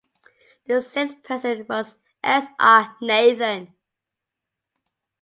The sixth President was S. R. Nathan.